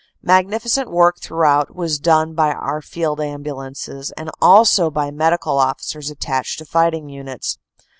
Magnificent work throughout was done by our field ambulances, and also by Medical Officers attached to fighting units.